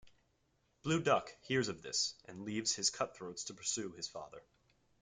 Blue Duck hears of this and leaves his cutthroats to pursue his father.